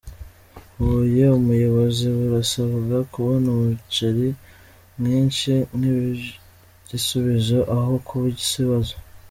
Huye Ubuyobozi burasabwa kubona umuceri mwinshi nk’igisubizo aho kuba ikibazo